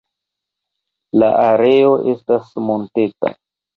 La areo estas monteta.